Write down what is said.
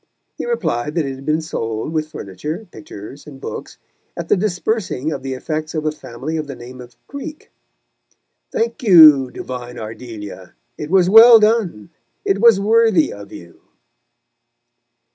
He replied that it had been sold, with furniture, pictures and books, at the dispersing of the effects of a family of the name of Creake. Thank you, divine Ardelia! It was well done; it was worthy of you.